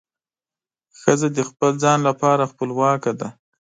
ښځه د خپل ځان لپاره خپلواکه ده.